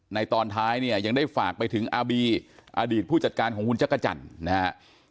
ตอนท้ายเนี่ยยังได้ฝากไปถึงอาบีอดีตผู้จัดการของคุณจักรจันทร์นะฮะ